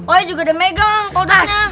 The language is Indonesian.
oe juga udah megang kodoknya